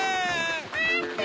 まって！